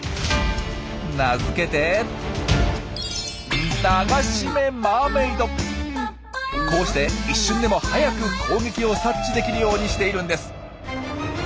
名付けてこうして一瞬でも早く攻撃を察知できるようにしているんです。